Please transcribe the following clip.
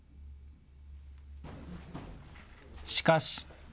しかし。